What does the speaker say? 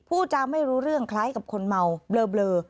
พูดจาไม่รู้เรื่องคล้ายกับคนเมาเบลอ